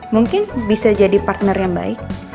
mungkin bisa jadi partner yang baik